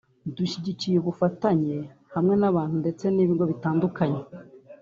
dushyigikiye ubufatanye hamwe n’abantu ndetse n’ibigo bitandukanye